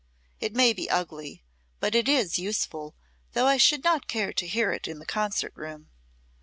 It may be ugly, but it is useful though I should not care to hear it in the concert room.